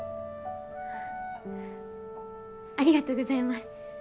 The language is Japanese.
ありがとうございます。